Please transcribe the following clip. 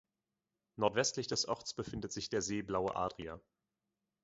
Nordwestlich des Orts befindet sich der See Blaue Adria.